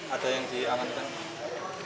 ada yang dianggap